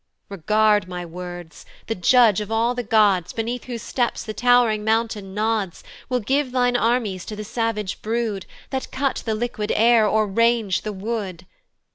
"Regard my words. The Judge of all the gods, "Beneath whose steps the tow'ring mountain nods, "Will give thine armies to the savage brood, "That cut the liquid air, or range the wood.